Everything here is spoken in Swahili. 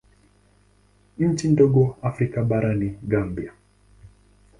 Nchi ndogo Afrika bara ni Gambia.